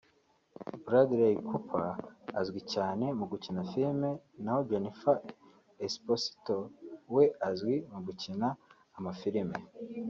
Bradley Cooper azwi cyane mu gukina filime naho Jennifer Esposito we azwi mu gukina amafilime